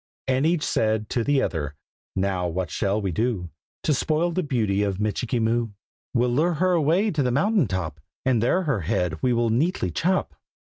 And each said to the other "Now what shall we do To spoil the beauty of Michikee Moo?" "We'll lure her away to the mountain top, And there her head we will neatly chop!"